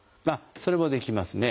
それもできますね。